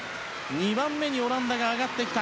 ２番目にオランダが上がってきた。